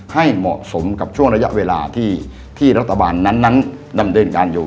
ให้เหมาะสมกับช่วงระยะเวลาที่รัฐบาลนั้นดำเนินการอยู่